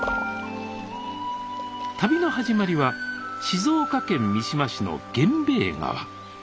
旅の始まりは静岡県三島市の源兵衛川。